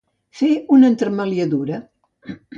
Fer una entremaliadura.